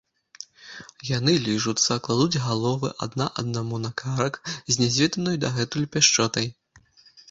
Яны ліжуцца, кладуць галовы адно аднаму на карак з нязведанай дагэтуль пяшчотай.